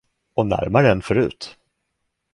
Och närmare än förut.